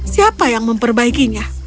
siapa yang memperbaikinya